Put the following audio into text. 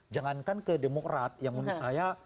jangankan ke demokrat yang menurut saya